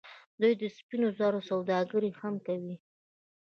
دوی د سپینو زرو سوداګري هم کوي.